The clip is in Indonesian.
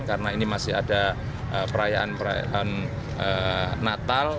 karena ini masih ada perayaan perayaan natal